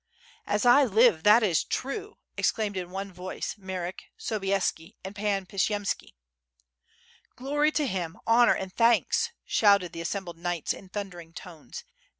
"As I live, that is true!" exclaimed in one vodce Marek, Sobieski and Pan Pshiyemski. "Glory to him! honor and thanks!" shouted the assembled knights in thundering tones.